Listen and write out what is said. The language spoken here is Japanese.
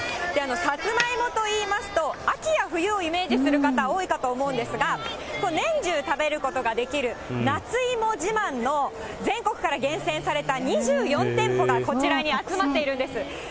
さつまいもといいますと、秋や冬をイメージする方、多いかと思うんですが、年中食べることができる、夏いも自慢の全国から厳選された２４店舗がこちらに集まっているんです。